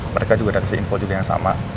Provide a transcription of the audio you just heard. mereka juga ada info yang sama